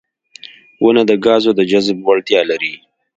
• ونه د ګازونو د جذب وړتیا لري.